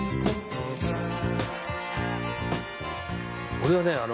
俺はね